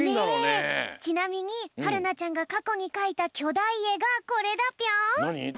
ちなみにはるなちゃんがかこにかいたきょだいえがこれだぴょん。